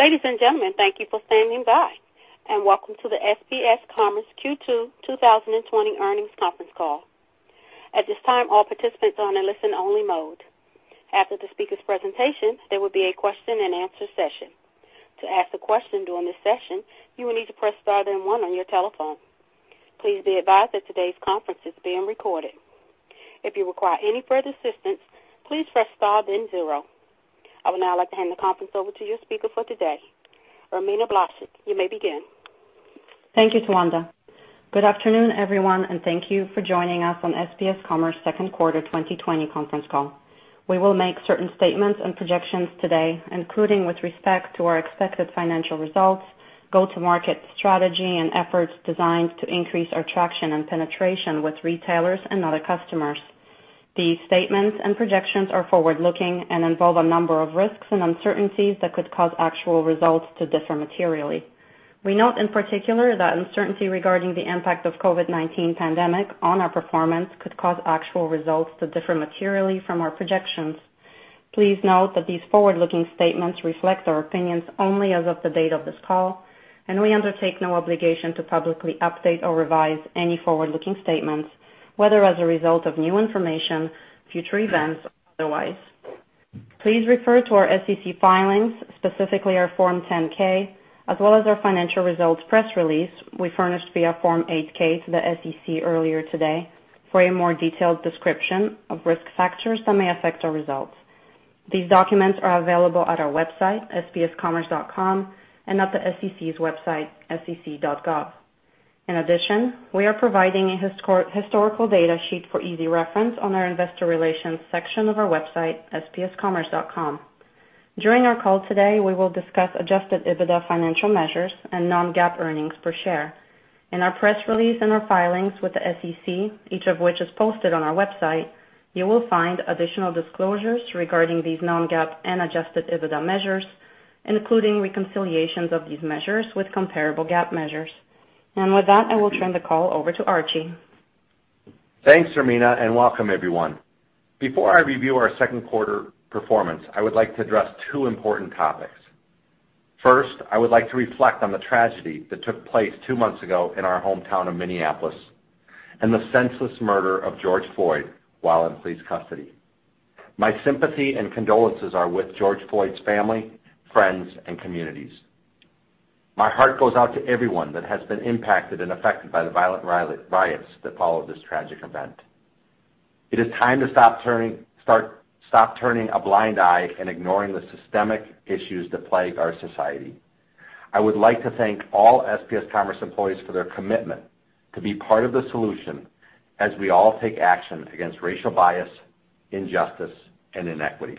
Ladies and gentlemen, thank you for standing by. Welcome to the SPS Commerce Q2 2020 earnings conference call. At this time, all participants are in a listen-only mode. After the speaker's presentation, there will be a question and answer session. To ask a question during this session, you will need to press star then one on your telephone. Please be advised that today's conference is being recorded. If you require any further assistance, please press star then zero. I would now like to hand the conference over to your speaker for today, Irmina Blaszczyk. You may begin. Thank you, Towanda. Good afternoon, everyone. Thank you for joining us on SPS Commerce second quarter 2020 conference call. We will make certain statements and projections today, including with respect to our expected financial results, go-to-market strategy, and efforts designed to increase our traction and penetration with retailers and other customers. These statements and projections are forward-looking and involve a number of risks and uncertainties that could cause actual results to differ materially. We note in particular that uncertainty regarding the impact of COVID-19 pandemic on our performance could cause actual results to differ materially from our projections. Please note that these forward-looking statements reflect our opinions only as of the date of this call. We undertake no obligation to publicly update or revise any forward-looking statements, whether as a result of new information, future events, or otherwise. Please refer to our SEC filings, specifically our Form 10-K, as well as our financial results press release we furnished via Form 8-K to the SEC earlier today for a more detailed description of risk factors that may affect our results. These documents are available at our website, spscommerce.com, at the SEC's website, sec.gov. In addition, we are providing a historical data sheet for easy reference on our investor relations section of our website, spscommerce.com. During our call today, we will discuss Adjusted EBITDA financial measures and non-GAAP earnings per share. In our press release and our filings with the SEC, each of which is posted on our website, you will find additional disclosures regarding these non-GAAP and Adjusted EBITDA measures, including reconciliations of these measures with comparable GAAP measures. With that, I will turn the call over to Archie. Thanks, Irmina. Welcome everyone. Before I review our second quarter performance, I would like to address two important topics. First, I would like to reflect on the tragedy that took place two months ago in our hometown of Minneapolis and the senseless murder of George Floyd while in police custody. My sympathy and condolences are with George Floyd's family, friends, and communities. My heart goes out to everyone that has been impacted and affected by the violent riots that followed this tragic event. It is time to stop turning a blind eye and ignoring the systemic issues that plague our society. I would like to thank all SPS Commerce employees for their commitment to be part of the solution as we all take action against racial bias, injustice, and inequity.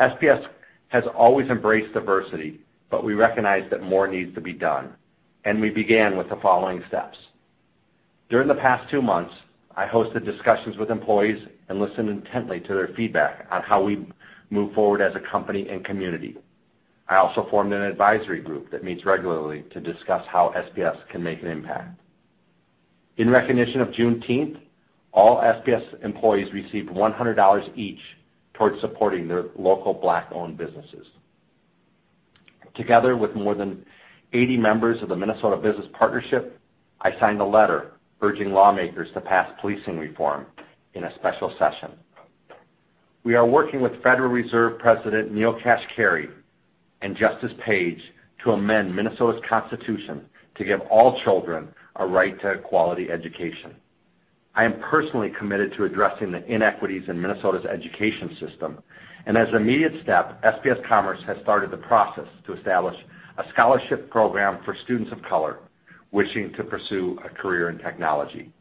SPS has always embraced diversity, but we recognize that more needs to be done, and we began with the following steps. During the past two months, I hosted discussions with employees and listened intently to their feedback on how we move forward as a company and community. I also formed an advisory group that meets regularly to discuss how SPS can make an impact. In recognition of Juneteenth, all SPS employees received $100 each towards supporting their local Black-owned businesses. Together with more than 80 members of the Minnesota Business Partnership, I signed a letter urging lawmakers to pass policing reform in a special session. We are working with Federal Reserve President Neel Kashkari and Justice Page to amend Minnesota's Constitution to give all children a right to a quality education. I am personally committed to addressing the inequities in Minnesota's education system. As an immediate step, SPS Commerce has started the process to establish a scholarship program for students of color wishing to pursue a career in technology.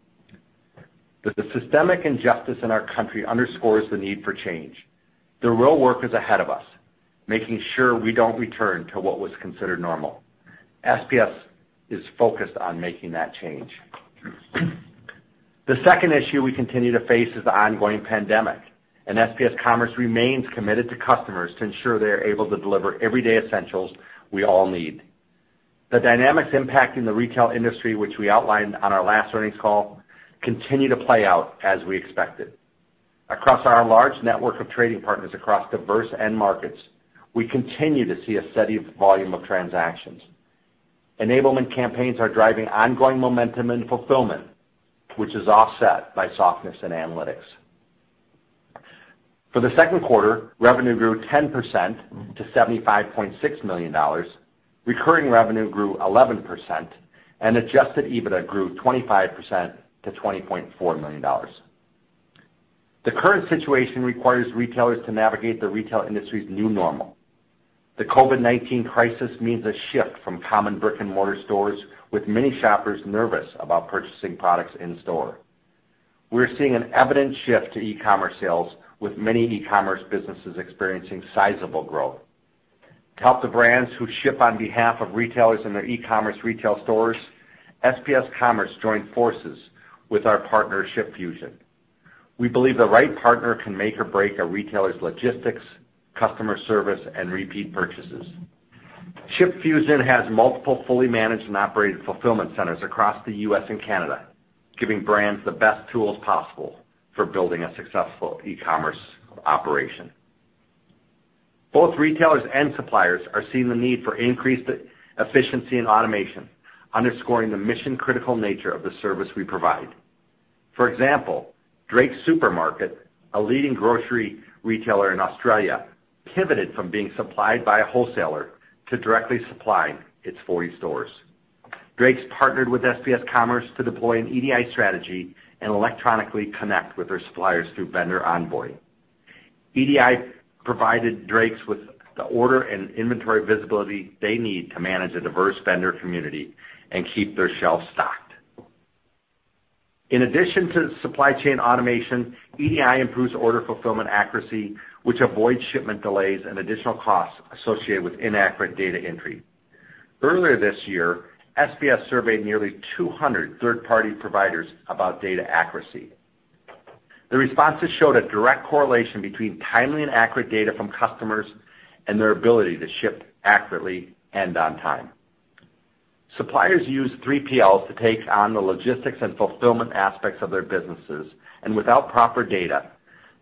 The systemic injustice in our country underscores the need for change. The real work is ahead of us, making sure we don't return to what was considered normal. SPS is focused on making that change. The second issue we continue to face is the ongoing pandemic, and SPS Commerce remains committed to customers to ensure they are able to deliver everyday essentials we all need. The dynamics impacting the retail industry, which we outlined on our last earnings call, continue to play out as we expected. Across our large network of trading partners across diverse end markets, we continue to see a steady volume of transactions. Enablement campaigns are driving ongoing momentum and fulfillment, which is offset by softness in analytics. For the second quarter, revenue grew 10% to $75.6 million. Recurring revenue grew 11%. Adjusted EBITDA grew 25% to $20.4 million. The current situation requires retailers to navigate the retail industry's new normal. The COVID-19 crisis means a shift from common brick-and-mortar stores, with many shoppers nervous about purchasing products in-store. We're seeing an evident shift to e-commerce sales, with many e-commerce businesses experiencing sizable growth. To help the brands who ship on behalf of retailers in their e-commerce retail stores, SPS Commerce joined forces with our partner, ShipFusion. We believe the right partner can make or break a retailer's logistics, customer service, and repeat purchases. ShipFusion has multiple fully managed and operated fulfillment centers across the U.S. and Canada, giving brands the best tools possible for building a successful e-commerce operation. Both retailers and suppliers are seeing the need for increased efficiency and automation, underscoring the mission-critical nature of the service we provide. For example, Drakes Supermarkets, a leading grocery retailer in Australia, pivoted from being supplied by a wholesaler to directly supplying its 40 stores. Drakes' partnered with SPS Commerce to deploy an EDI strategy and electronically connect with their suppliers through vendor onboarding. EDI provided Drakes' with the order and inventory visibility they need to manage a diverse vendor community and keep their shelves stocked. In addition to supply chain automation, EDI improves order fulfillment accuracy, which avoids shipment delays and additional costs associated with inaccurate data entry. Earlier this year, SPS surveyed nearly 200 third-party providers about data accuracy. The responses showed a direct correlation between timely and accurate data from customers and their ability to ship accurately and on time. Suppliers use 3PLs to take on the logistics and fulfillment aspects of their businesses, and without proper data,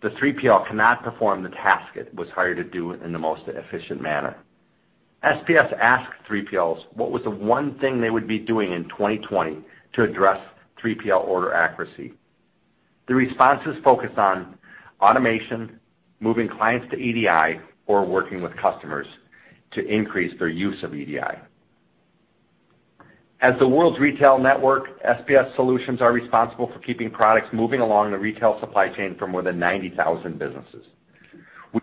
the 3PL cannot perform the task it was hired to do in the most efficient manner. SPS asked 3PLs what was the one thing they would be doing in 2020 to address 3PL order accuracy. The responses focused on automation, moving clients to EDI, or working with customers to increase their use of EDI. As the world's retail network, SPS solutions are responsible for keeping products moving along the retail supply chain for more than 90,000 businesses.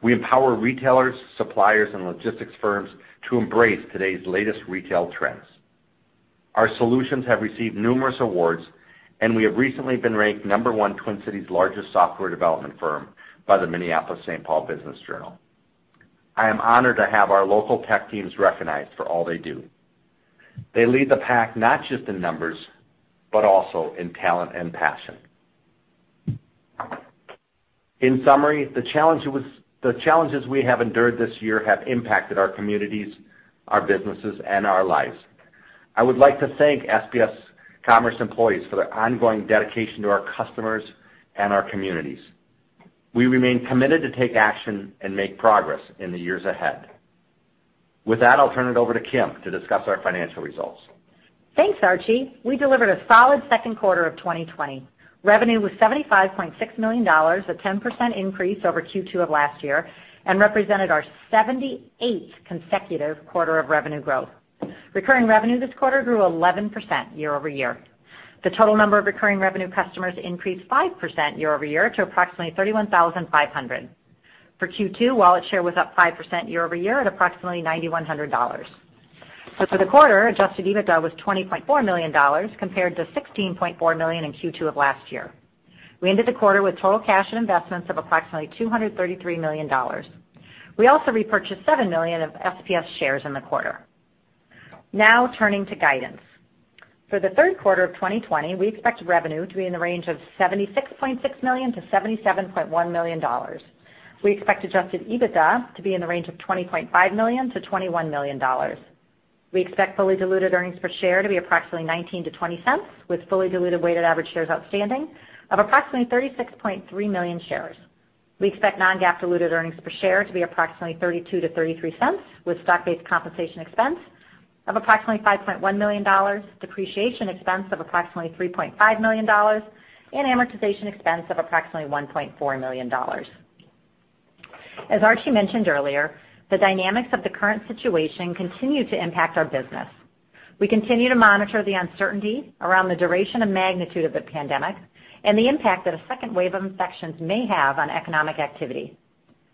We empower retailers, suppliers, and logistics firms to embrace today's latest retail trends. Our solutions have received numerous awards, and we have recently been ranked number one Twin Cities largest software development firm by the Minneapolis/St. Paul Business Journal. I am honored to have our local tech teams recognized for all they do. They lead the pack not just in numbers, but also in talent and passion. In summary, the challenges we have endured this year have impacted our communities, our businesses, and our lives. I would like to thank SPS Commerce employees for their ongoing dedication to our customers and our communities. We remain committed to take action and make progress in the years ahead. With that, I'll turn it over to Kim to discuss our financial results. Thanks, Archie. We delivered a solid second quarter of 2020. Revenue was $75.6 million, a 10% increase over Q2 of last year and represented our 78th consecutive quarter of revenue growth. Recurring revenue this quarter grew 11% year-over-year. The total number of recurring revenue customers increased 5% year-over-year to approximately 31,500. For Q2, wallet share was up 5% year-over-year at approximately $9,100. For the quarter, Adjusted EBITDA was $20.4 million, compared to $16.4 million in Q2 of last year. We ended the quarter with total cash and investments of approximately $233 million. We also repurchased $7 million of SPS shares in the quarter. Now turning to guidance. For the third quarter of 2020, we expect revenue to be in the range of $76.6 million to $77.1 million. We expect Adjusted EBITDA to be in the range of $20.5 million to $21 million. We expect fully diluted earnings per share to be approximately $0.19 to $0.20, with fully diluted weighted average shares outstanding of approximately 36.3 million shares. We expect non-GAAP diluted earnings per share to be approximately $0.32 to $0.33, with stock-based compensation expense of approximately $5.1 million, depreciation expense of approximately $3.5 million, and amortization expense of approximately $1.4 million. As Archie mentioned earlier, the dynamics of the current situation continue to impact our business. We continue to monitor the uncertainty around the duration and magnitude of the pandemic and the impact that a second wave of infections may have on economic activity.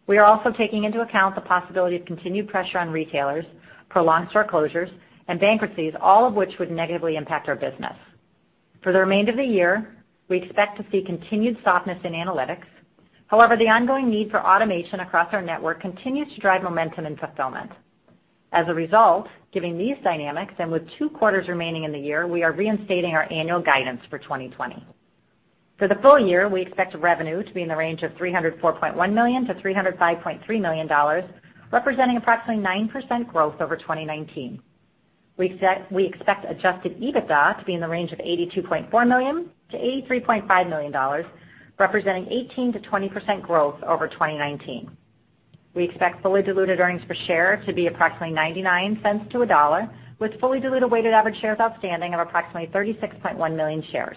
We are also taking into account the possibility of continued pressure on retailers, prolonged store closures, and bankruptcies, all of which would negatively impact our business. For the remainder of the year, we expect to see continued softness in analytics. The ongoing need for automation across our network continues to drive momentum and fulfillment. Given these dynamics, and with two quarters remaining in the year, we are reinstating our annual guidance for 2020. For the full year, we expect revenue to be in the range of $304.1 million-$305.3 million, representing approximately 9% growth over 2019. We expect Adjusted EBITDA to be in the range of $82.4 million-$83.5 million, representing 18%-20% growth over 2019. We expect fully diluted earnings per share to be approximately $0.99 to $1.00, with fully diluted weighted average shares outstanding of approximately 36.1 million shares.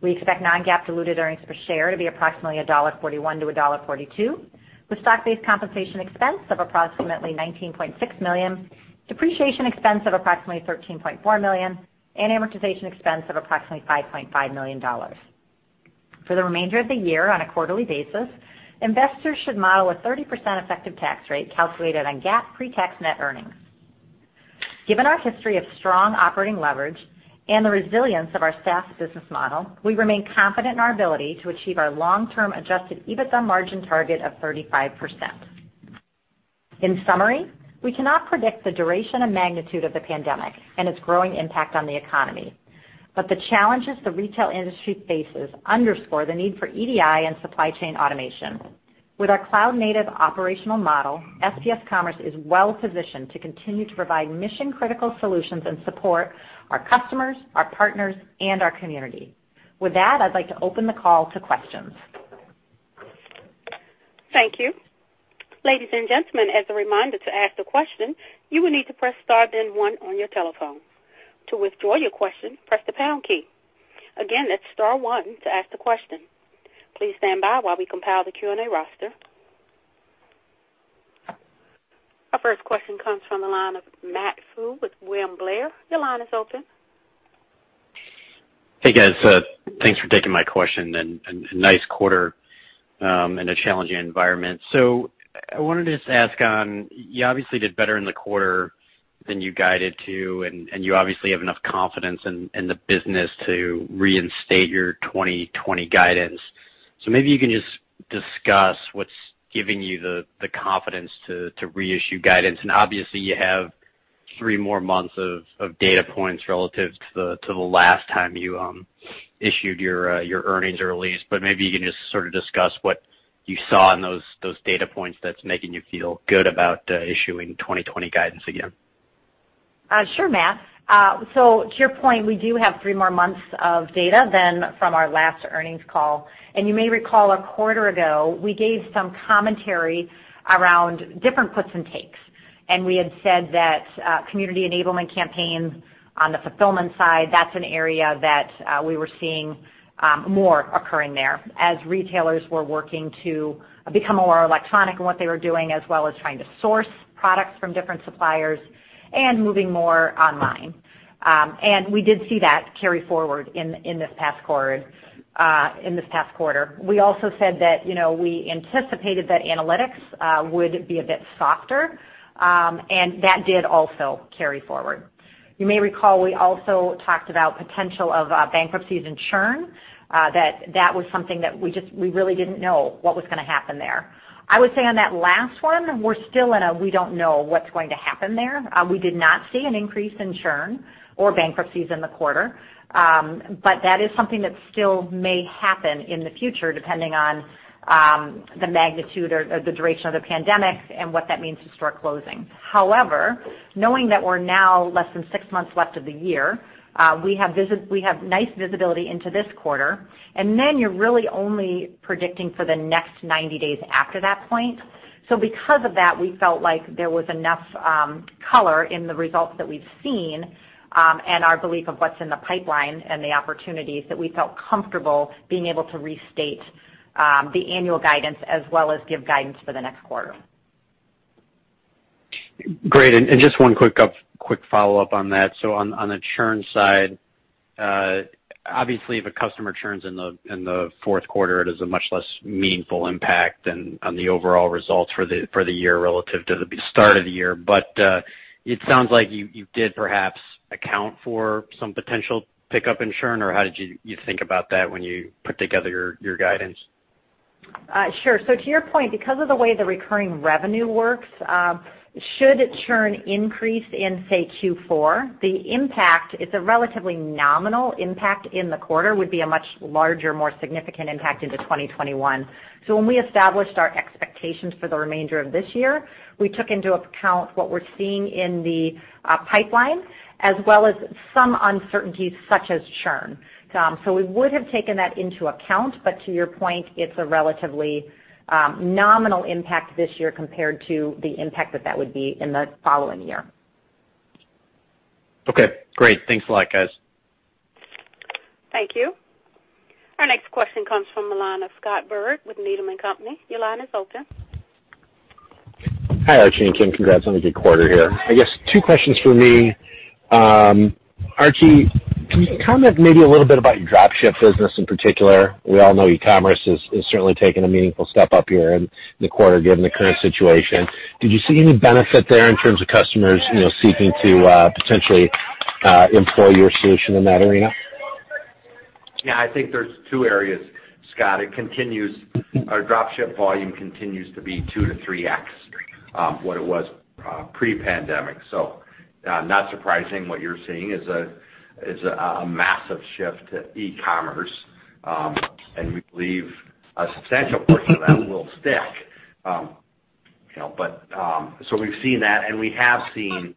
We expect non-GAAP diluted earnings per share to be approximately $1.41-$1.42, with stock-based compensation expense of approximately $19.6 million, depreciation expense of approximately $13.4 million, and amortization expense of approximately $5.5 million. For the remainder of the year on a quarterly basis, investors should model a 30% effective tax rate calculated on GAAP pre-tax net earnings. Given our history of strong operating leverage and the resilience of our SaaS business model, we remain confident in our ability to achieve our long-term Adjusted EBITDA margin target of 35%. In summary, we cannot predict the duration and magnitude of the pandemic and its growing impact on the economy. The challenges the retail industry faces underscore the need for EDI and supply chain automation. With our cloud-native operational model, SPS Commerce is well-positioned to continue to provide mission-critical solutions and support our customers, our partners, and our community. With that, I'd like to open the call to questions. Thank you. Ladies and gentlemen, as a reminder, to ask the question, you will need to press star then one on your telephone. To withdraw your question, press the pound key. Again, that's star one to ask the question. Please stand by while we compile the Q&A roster. Our first question comes from the line of Matt Stotler with William Blair. Your line is open. Hey, guys. Thanks for taking my question, and a nice quarter in a challenging environment. I wanted just to ask on, you obviously did better in the quarter than you guided to, and you obviously have enough confidence in the business to reinstate your 2020 guidance. Maybe you can just discuss what's giving you the confidence to reissue guidance. Obviously, you have three more months of data points relative to the last time you issued your earnings release, but maybe you can just sort of discuss what you saw in those data points that's making you feel good about issuing 2020 guidance again. Sure, Matt. To your point, we do have 3 more months of data than from our last earnings call. You may recall a quarter ago, we gave some commentary around different puts and takes. We had said that community enablement campaigns on the fulfillment side, that's an area that we were seeing more occurring there as retailers were working to become more electronic in what they were doing, as well as trying to source products from different suppliers and moving more online. We did see that carry forward in this past quarter. We also said that we anticipated that analytics would be a bit softer, and that did also carry forward. You may recall, we also talked about potential of bankruptcies and churn, that was something that we really didn't know what was going to happen there. I would say on that last one, we're still in a we don't know what's going to happen there. We did not see an increase in churn or bankruptcies in the quarter. That is something that still may happen in the future, depending on the magnitude or the duration of the pandemic and what that means to store closing. However, knowing that we're now less than 6 months left of the year, we have nice visibility into this quarter, and then you're really only predicting for the next 90 days after that point. Because of that, we felt like there was enough color in the results that we've seen, and our belief of what's in the pipeline and the opportunities that we felt comfortable being able to restate the annual guidance as well as give guidance for the next quarter. Great. Just one quick follow-up on that. On the churn side, obviously if a customer churns in the fourth quarter, it is a much less meaningful impact than on the overall results for the year relative to the start of the year. It sounds like you did perhaps account for some potential pickup in churn, or how did you think about that when you put together your guidance? Sure. To your point, because of the way the recurring revenue works, should churn increase in, say, Q4, the impact is a relatively nominal impact in the quarter, would be a much larger, more significant impact into 2021. When we established our expectations for the remainder of this year, we took into account what we're seeing in the pipeline, as well as some uncertainties such as churn. We would have taken that into account, to your point, it's a relatively nominal impact this year compared to the impact that would be in the following year. Okay, great. Thanks a lot, guys. Thank you. Our next question comes from the line of Scott Berg with Needham & Company. Your line is open. Hi, Archie and Kim. Congrats on a good quarter here. I guess two questions from me. Archie, can you comment maybe a little bit about your drop ship business in particular? We all know e-commerce is certainly taking a meaningful step up here in the quarter given the current situation. Did you see any benefit there in terms of customers seeking to potentially employ your solution in that arena? Yeah, I think there's two areas, Scott. Our drop ship volume continues to be two to three X what it was pre-pandemic. Not surprising what you're seeing is a massive shift to e-commerce, and we believe a substantial portion of that will stick. We've seen that, and we have seen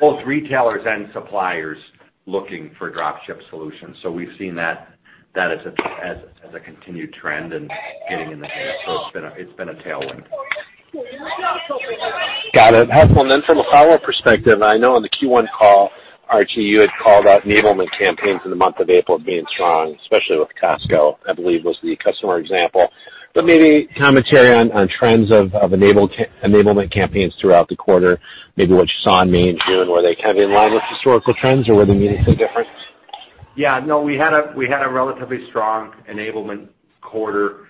both retailers and suppliers looking for drop ship solutions. We've seen that as a continued trend and getting in the habit, so it's been a tailwind. Got it. Helpful. From a follow-up perspective, I know on the Q1 call, Archie, you had called out enablement campaigns in the month of April being strong, especially with Costco, I believe was the customer example. Maybe commentary on trends of enablement campaigns throughout the quarter, maybe what you saw in May and June, were they kind of in line with historical trends, or were they meaningfully different? Yeah, no, we had a relatively strong enablement quarter.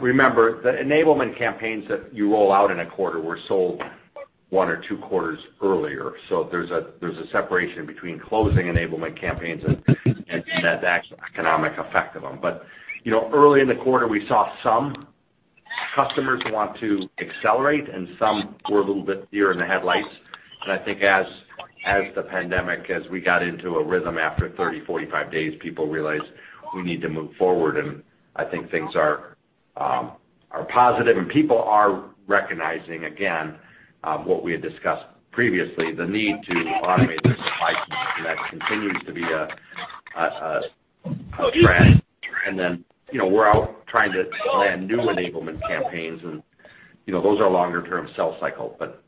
Remember, the enablement campaigns that you roll out in a quarter were sold one or two quarters earlier. There's a separation between closing enablement campaigns and the actual economic effect of them. Early in the quarter, we saw some customers want to accelerate, and some were a little bit deer in the headlights. I think as the pandemic, as we got into a rhythm after 30, 45 days, people realized we need to move forward, and I think things are Are positive, and people are recognizing again, what we had discussed previously, the need to automate their supply chain, and that continues to be a trend. Then we're out trying to land new enablement campaigns, and those are longer-term sales cycle, but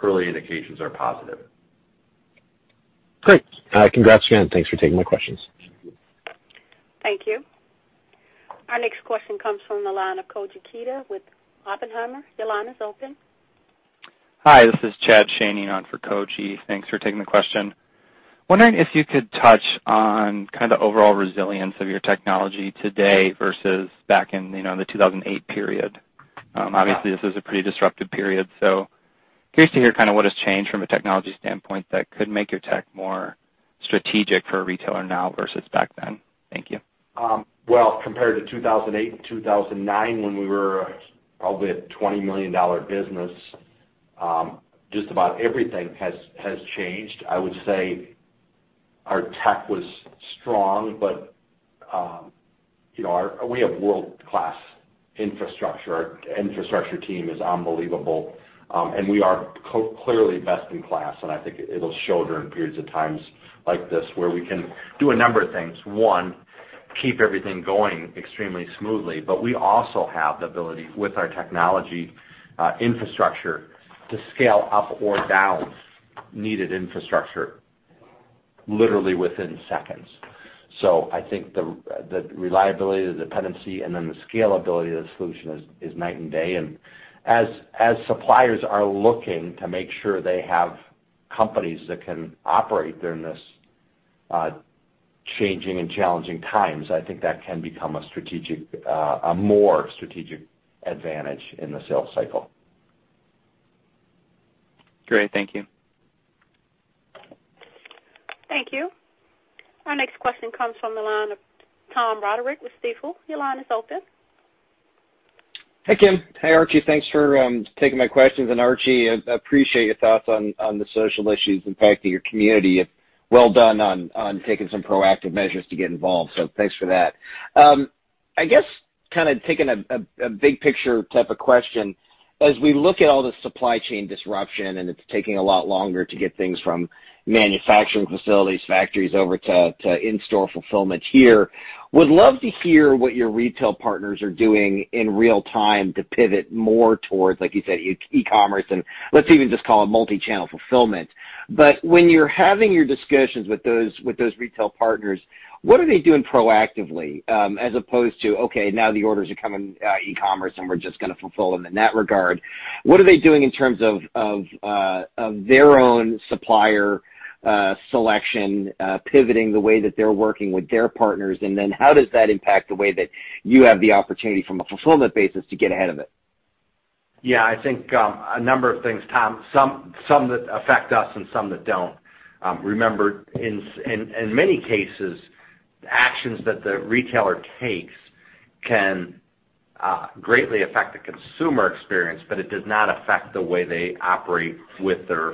early indications are positive. Great. Congrats again and thanks for taking my questions. Thank you. Our next question comes from the line of Koji Ikeda with Oppenheimer. Your line is open. Hi, this is Chad Schoening on for Koji. Thanks for taking the question. Wondering if you could touch on kind of the overall resilience of your technology today versus back in the 2008 period. Obviously, this is a pretty disruptive period, curious to hear kind of what has changed from a technology standpoint that could make your tech more strategic for a retailer now versus back then. Thank you. Well, compared to 2008 and 2009, when we were probably a $20 million business, just about everything has changed. I would say our tech was strong, but we have world-class infrastructure. Our infrastructure team is unbelievable. We are clearly best in class, and I think it'll show during periods of times like this, where we can do a number of things. One, keep everything going extremely smoothly, we also have the ability, with our technology infrastructure, to scale up or down needed infrastructure literally within seconds. I think the reliability, the dependency, and then the scalability of the solution is night and day. As suppliers are looking to make sure they have companies that can operate during these changing and challenging times, I think that can become a more strategic advantage in the sales cycle. Great. Thank you. Thank you. Our next question comes from the line of Tom Roderick with Stifel. Your line is open. Hey, Kim. Hey, Archie. Thanks for taking my questions. Archie, I appreciate your thoughts on the social issues impacting your community. Well done on taking some proactive measures to get involved, thanks for that. I guess kind of taking a big picture type of question, as we look at all the supply chain disruption, and it's taking a lot longer to get things from manufacturing facilities, factories over to in-store fulfillment here, would love to hear what your retail partners are doing in real time to pivot more towards, like you said, e-commerce, and let's even just call it multi-channel fulfillment. When you're having your discussions with those retail partners, what are they doing proactively, as opposed to, okay, now the orders are coming e-commerce, and we're just going to fulfill them in that regard. What are they doing in terms of their own supplier selection, pivoting the way that they're working with their partners, and then how does that impact the way that you have the opportunity from a fulfillment basis to get ahead of it? Yeah, I think a number of things, Tom, some that affect us and some that don't. Remember, in many cases, actions that the retailer takes can greatly affect the consumer experience, but it does not affect the way they operate with their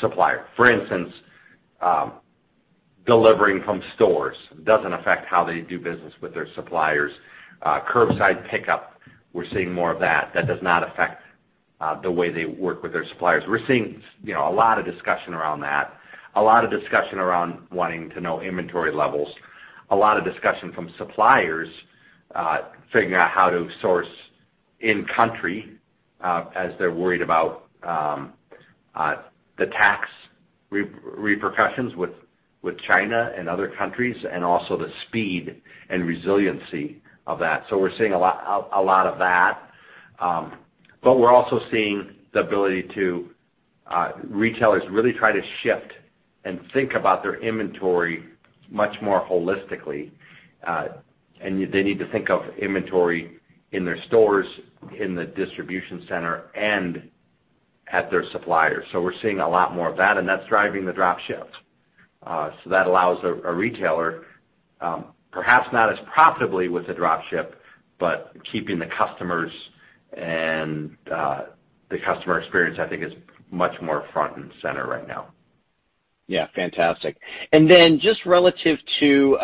supplier. For instance, delivering from stores doesn't affect how they do business with their suppliers. Curbside pickup, we're seeing more of that. That does not affect the way they work with their suppliers. We're seeing a lot of discussion around that, a lot of discussion around wanting to know inventory levels, a lot of discussion from suppliers figuring out how to source in country, as they're worried about the tax repercussions with China and other countries, and also the speed and resiliency of that. We're seeing a lot of that. We're also seeing the ability to retailers really try to shift and think about their inventory much more holistically. They need to think of inventory in their stores, in the distribution center, and at their suppliers. We're seeing a lot more of that, and that's driving the drop ships. That allows a retailer, perhaps not as profitably with the drop ship, but keeping the customers and the customer experience, I think is much more front and center right now. Yeah. Fantastic. Then just relative to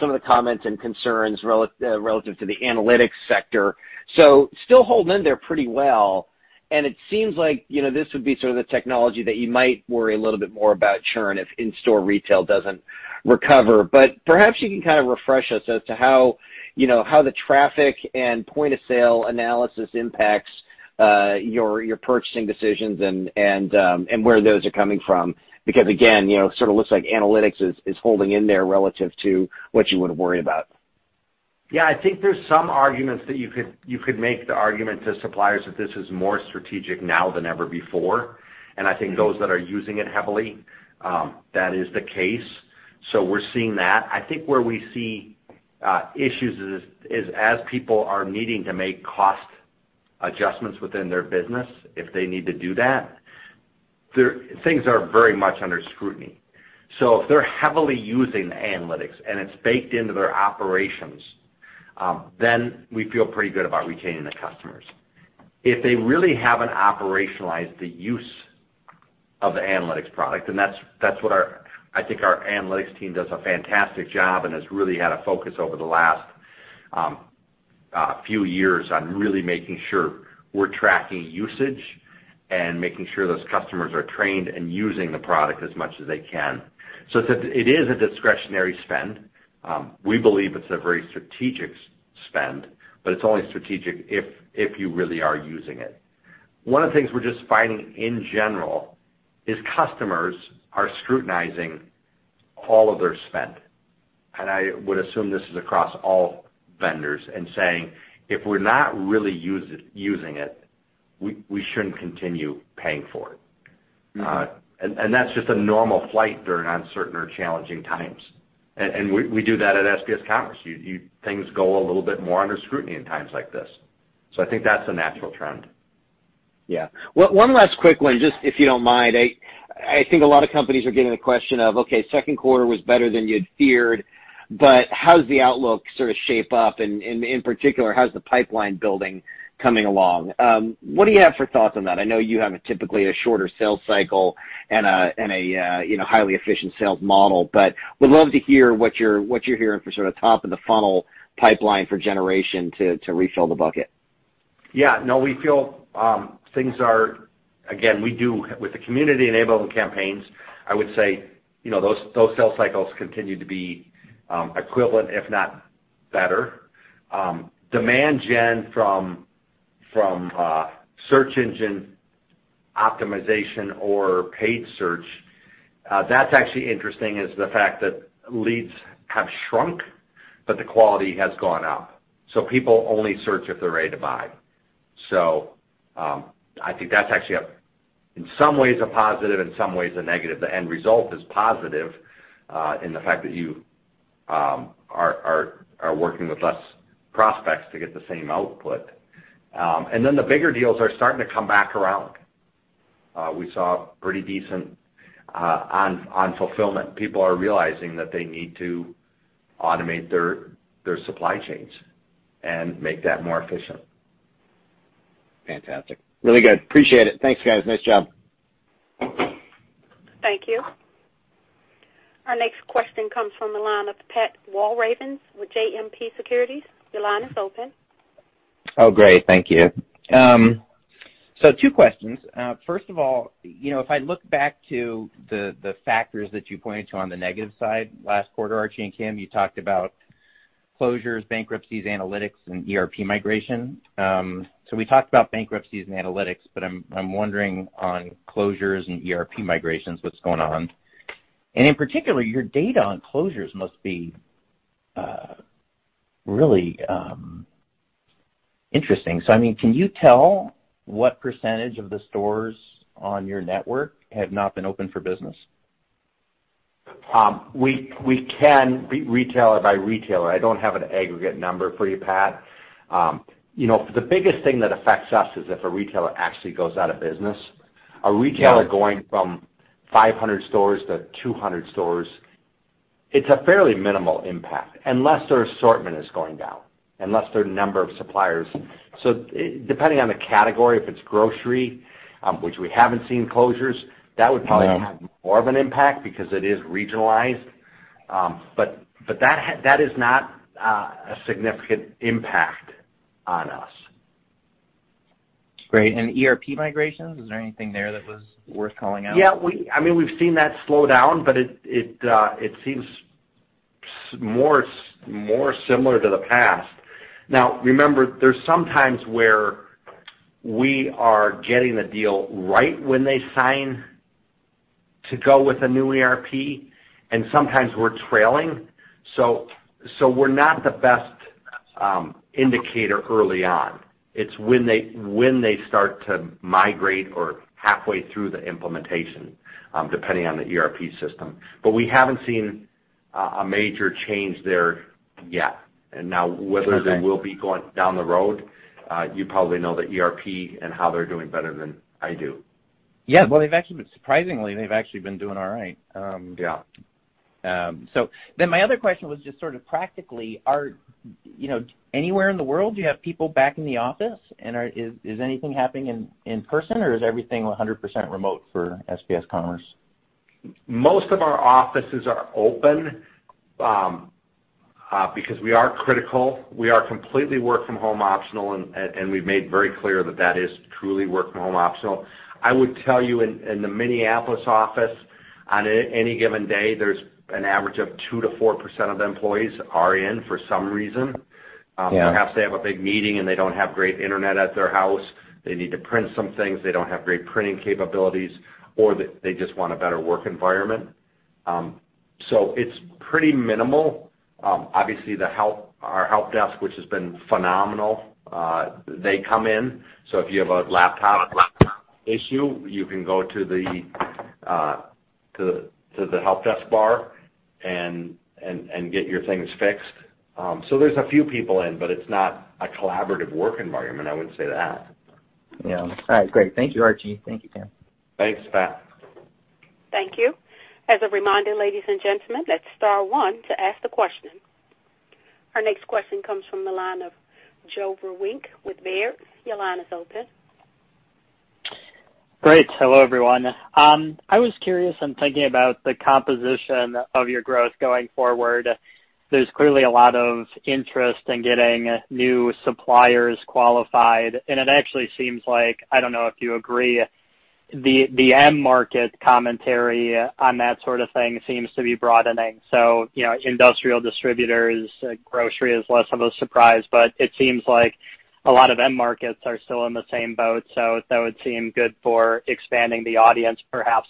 some of the comments and concerns relative to the analytics sector. Still holding in there pretty well, and it seems like this would be sort of the technology that you might worry a little bit more about churn if in-store retail doesn't recover. Perhaps you can kind of refresh us as to how the traffic and point-of-sale analysis impacts your purchasing decisions and where those are coming from. Because again, sort of looks like analytics is holding in there relative to what you would worry about. Yeah. I think there's some arguments that you could make the argument to suppliers that this is more strategic now than ever before. I think those that are using it heavily, that is the case. We're seeing that. I think where we see issues is as people are needing to make cost adjustments within their business, if they need to do that, things are very much under scrutiny. If they're heavily using analytics and it's baked into their operations, then we feel pretty good about retaining the customers. If they really haven't operationalized the use of the analytics product, and I think our analytics team does a fantastic job and has really had a focus over the last few years on really making sure we're tracking usage and making sure those customers are trained and using the product as much as they can. It is a discretionary spend. We believe it's a very strategic spend, it's only strategic if you really are using it. One of the things we're just finding in general is customers are scrutinizing all of their spend, and I would assume this is across all vendors and saying, "If we're not really using it, we shouldn't continue paying for it. That's just a normal flight during uncertain or challenging times. We do that at SPS Commerce. Things go a little bit more under scrutiny in times like this. I think that's a natural trend. Yeah. One last quick one, just if you don't mind. I think a lot of companies are getting the question of, okay, second quarter was better than you'd feared, but how's the outlook sort of shape up, and in particular, how's the pipeline building coming along? What do you have for thoughts on that? I know you have typically a shorter sales cycle and a highly efficient sales model. Would love to hear what you're hearing for sort of top of the funnel pipeline for generation to refill the bucket. Yeah. No, we feel things are. Again, with the community enablement campaigns, I would say, those sales cycles continue to be equivalent, if not better. Demand gen from search engine optimization or paid search, that's actually interesting is the fact that leads have shrunk, but the quality has gone up. People only search if they're ready to buy. I think that's actually, in some ways, a positive, in some ways, a negative. The end result is positive in the fact that you are working with less prospects to get the same output. Then the bigger deals are starting to come back around. We saw pretty decent on fulfillment. People are realizing that they need to automate their supply chains and make that more efficient. Fantastic. Really good. Appreciate it. Thanks, guys. Nice job. Thank you. Our next question comes from the line of Pat Walravens with JMP Securities. Your line is open. Oh, great. Thank you. Two questions. First of all, if I look back to the factors that you pointed to on the negative side last quarter, Archie and Kim, you talked about closures, bankruptcies, analytics, and ERP migration. We talked about bankruptcies and analytics, but I'm wondering on closures and ERP migrations, what's going on. And in particular, your data on closures must be really interesting. I mean, can you tell what % of the stores on your network have not been open for business? We can retailer by retailer. I don't have an aggregate number for you, Pat. The biggest thing that affects us is if a retailer actually goes out of business. Yeah. A retailer going from 500 stores to 200 stores, it's a fairly minimal impact, unless their assortment is going down, unless their number of suppliers Depending on the category, if it's grocery, which we haven't seen closures- Yeah That would probably have more of an impact because it is regionalized. That is not a significant impact on us. ERP migrations, is there anything there that was worth calling out? Yeah. We've seen that slow down, but it seems more similar to the past. Remember, there's some times where we are getting the deal right when they sign to go with a new ERP, and sometimes we're trailing. We're not the best indicator early on. It's when they start to migrate or halfway through the implementation, depending on the ERP system. We haven't seen a major change there yet. Okay They will be going down the road, you probably know the ERP and how they're doing better than I do. Yeah. Well, surprisingly, they've actually been doing all right. Yeah. My other question was just sort of practically, anywhere in the world, do you have people back in the office, and is anything happening in person, or is everything 100% remote for SPS Commerce? Most of our offices are open, because we are critical. We are completely work from home optional, and we've made very clear that that is truly work from home optional. I would tell you in the Minneapolis office, on any given day, there's an average of 2%-4% of employees are in for some reason. Yeah. Perhaps they have a big meeting, and they don't have great internet at their house. They need to print some things, they don't have great printing capabilities, or they just want a better work environment. It's pretty minimal. Obviously our help desk, which has been phenomenal, they come in, so if you have a laptop issue, you can go to the help desk bar and get your things fixed. There's a few people in, but it's not a collaborative work environment, I wouldn't say that. Yeah. All right, great. Thank you, Archie. Thank you, Kim. Thanks, Pat. Thank you. As a reminder, ladies and gentlemen, that's star one to ask the question. Our next question comes from the line of Joe Vruwink with Baird. Your line is open. Great. Hello, everyone. I was curious in thinking about the composition of your growth going forward. There's clearly a lot of interest in getting new suppliers qualified, and it actually seems like, I don't know if you agree, the end market commentary on that sort of thing seems to be broadening. Industrial distributors, grocery is less of a surprise, but it seems like a lot of end markets are still in the same boat, so that would seem good for expanding the audience, perhaps.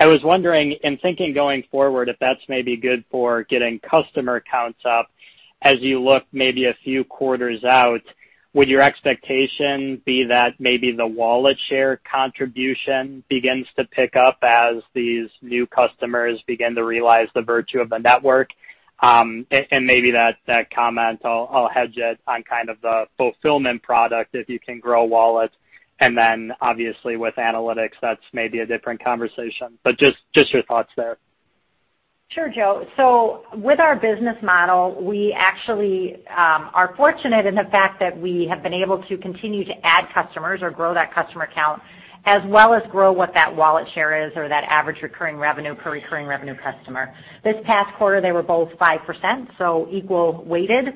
I was wondering, in thinking going forward, if that's maybe good for getting customer counts up as you look maybe a few quarters out, would your expectation be that maybe the wallet share contribution begins to pick up as these new customers begin to realize the virtue of the network? That comment, I'll hedge it on kind of the fulfillment product, if you can grow wallet, then obviously with analytics, that's maybe a different conversation, but just your thoughts there. Sure, Joe. With our business model, we actually are fortunate in the fact that we have been able to continue to add customers or grow that customer count, as well as grow what that wallet share is or that average recurring revenue per recurring revenue customer. This past quarter, they were both 5%, equal weighted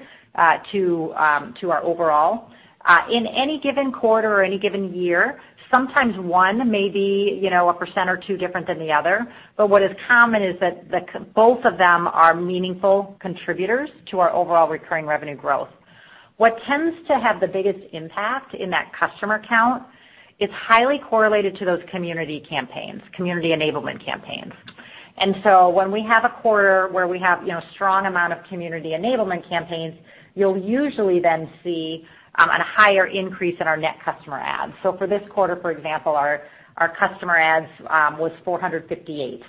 to our overall. In any given quarter or any given year, sometimes one may be a percent or two different than the other. What is common is that both of them are meaningful contributors to our overall recurring revenue growth. What tends to have the biggest impact in that customer count is highly correlated to those community campaigns, community enablement campaigns. When we have a quarter where we have strong amount of community enablement campaigns, you'll usually then see a higher increase in our net customer adds. For this quarter, for example, our customer adds was 458.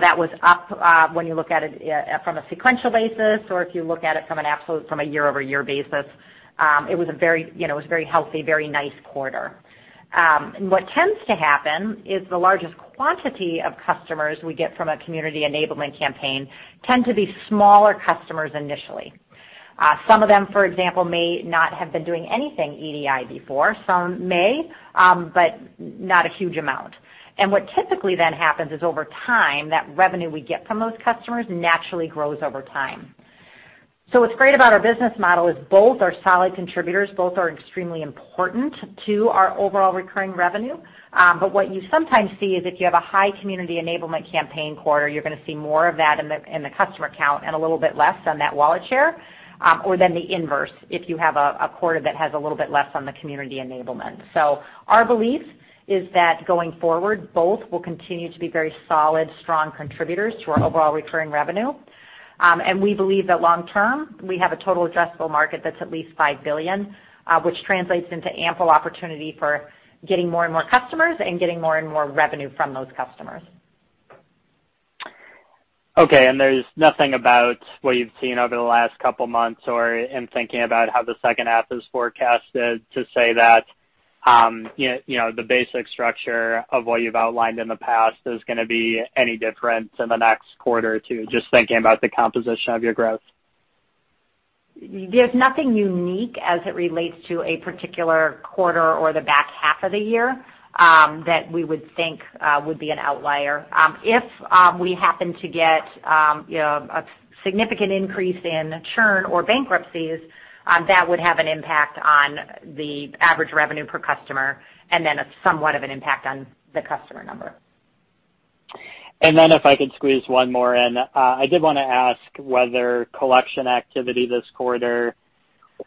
That was up when you look at it from a sequential basis or if you look at it from a year-over-year basis. It was a very healthy, very nice quarter. What tends to happen is the largest quantity of customers we get from a community enablement campaign tend to be smaller customers initially. Some of them, for example, may not have been doing anything EDI before. Some may, but not a huge amount. What typically then happens is over time, that revenue we get from those customers naturally grows over time. What's great about our business model is both are solid contributors, both are extremely important to our overall recurring revenue. What you sometimes see is if you have a high community enablement campaign quarter, you're going to see more of that in the customer count and a little bit less on that wallet share, or then the inverse, if you have a quarter that has a little bit less on the community enablement. Our belief is that going forward, both will continue to be very solid, strong contributors to our overall recurring revenue. We believe that long term, we have a total addressable market that's at least $5 billion, which translates into ample opportunity for getting more and more customers and getting more and more revenue from those customers. Okay, there's nothing about what you've seen over the last couple of months or in thinking about how the second half is forecasted to say that the basic structure of what you've outlined in the past is going to be any different in the next quarter or two, just thinking about the composition of your growth. There's nothing unique as it relates to a particular quarter or the back half of the year that we would think would be an outlier. If we happen to get a significant increase in churn or bankruptcies, that would have an impact on the average revenue per customer and then somewhat of an impact on the customer number. If I could squeeze one more in, I did want to ask whether collection activity this quarter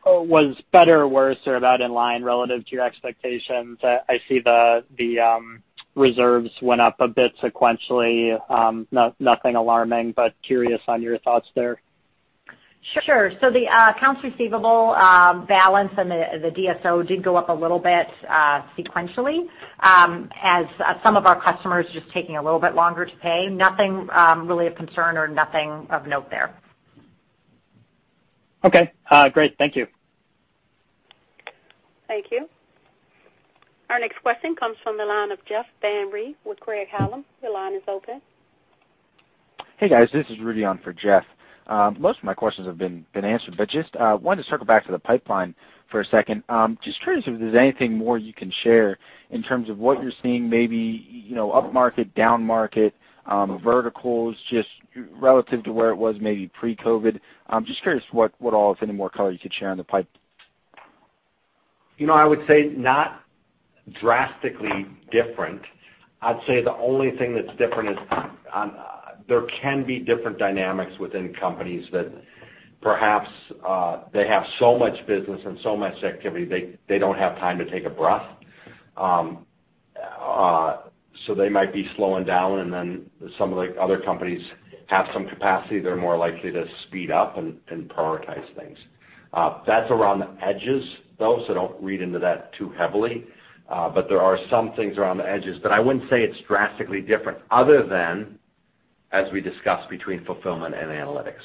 was better or worse or about in line relative to your expectations. I see the reserves went up a bit sequentially. Nothing alarming, curious on your thoughts there. Sure. The accounts receivable balance and the DSO did go up a little bit sequentially as some of our customers just taking a little bit longer to pay. Nothing really of concern or nothing of note there. Okay, great. Thank you. Thank you. Our next question comes from the line of Jeff Van Rhee with Craig-Hallum. Your line is open. Hey, guys, this is Rudion for Jeff. Most of my questions have been answered, but just wanted to circle back to the pipeline for a second. Just curious if there's anything more you can share in terms of what you're seeing maybe up-market, down market, verticals, just relative to where it was maybe pre-COVID. Just curious what all, if any more color you could share on the pipe. I would say not drastically different. I'd say the only thing that's different is there can be different dynamics within companies that perhaps they have so much business and so much activity, they don't have time to take a breath. They might be slowing down, and then some of the other companies have some capacity, they're more likely to speed up and prioritize things. That's around the edges, though, so don't read into that too heavily. There are some things around the edges, but I wouldn't say it's drastically different other than as we discussed between fulfillment and analytics.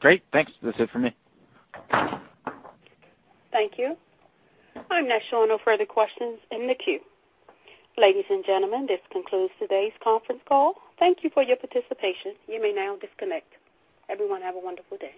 Great. Thanks. That's it for me. Thank you. I'm not showing no further questions in the queue. Ladies and gentlemen, this concludes today's conference call. Thank you for your participation. You may now disconnect. Everyone have a wonderful day.